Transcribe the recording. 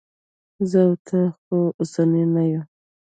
زه او ته خو اوسني نه یو.